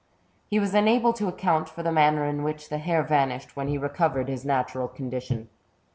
He was unable to account for the manner in which the hair vanished when he recovered his natural con dition.